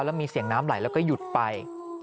แล้วมีเสียงน้ำไหลแล้วก็หยุดไป